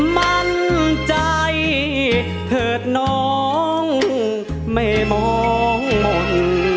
มั่นใจเถิดน้องไม่มองมนต์